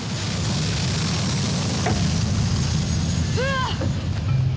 うわっ！